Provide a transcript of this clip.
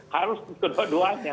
harus untuk keduanya